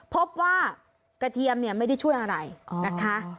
พบว่ากระเทียมเนี่ยไม่ได้ช่วยอะไรนะคะ